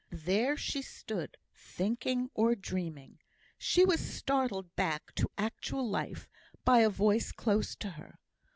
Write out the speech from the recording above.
There she stood thinking, or dreaming. She was startled back to actual life by a voice close to her.